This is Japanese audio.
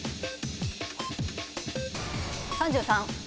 ３３。